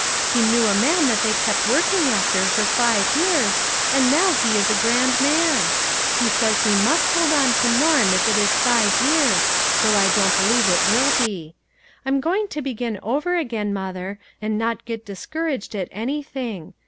He knew a man that they kept work ing after for five years, and now he is a grand man. He says we must hold on to Norm if it is five years, though I don't believe it will be. I'm going to begin over again, mother, and not get discouraged at anything.